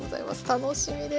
楽しみですね。